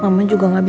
apa yang aku lakuin